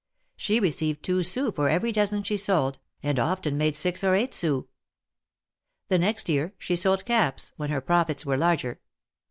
She received two sous for every dozen she sold, and often made six or eight sous. The next year she sold caps, when her profits were larger.